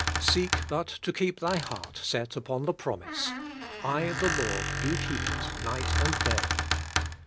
Seek but to keep thy heart set upon the promise: 'I the Lord do KEEP IT, night and day.'